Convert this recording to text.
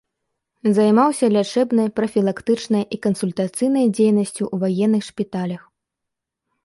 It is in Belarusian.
Займаўся лячэбнай, прафілактычнай і кансультацыйнай дзейнасцю ў ваенных шпіталях.